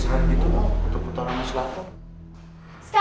sekarang mari kita saksikan pengantulan band agusti